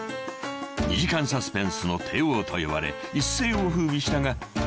［２時間サスペンスの帝王と呼ばれ一世を風靡したが］